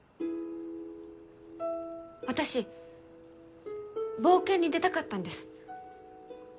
私冒険に出たかったんです。